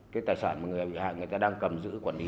cái tài sản người vị hại người ta đang cầm giữ quản lý